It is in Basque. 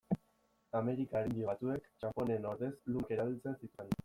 Amerikar indio batzuek txanponen ordez lumak erabiltzen zituzten.